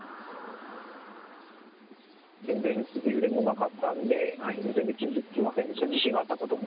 全然揺れもなかったので気付きませんでした、地震があったことも。